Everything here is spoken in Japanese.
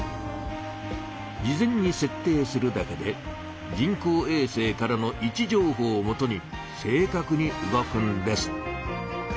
事前にせっ定するだけで人工えい星からの位置情報をもとに正かくに動くんです。